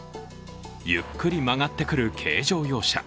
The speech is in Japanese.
ゆっくり曲がってくる軽乗用車。